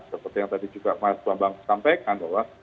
seperti yang tadi juga mas bambang sampaikan bahwa